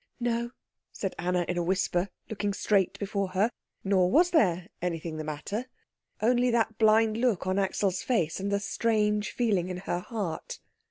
"No," said Anna in a whisper, looking straight before her. Nor was there anything the matter; only that blind look on Axel's face, and the strange feeling in her heart.